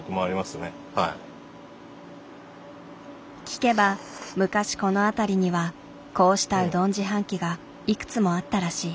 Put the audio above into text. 聞けば昔この辺りにはこうしたうどん自販機がいくつもあったらしい。